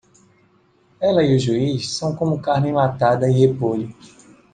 Ela e o juiz são como carne enlatada e repolho.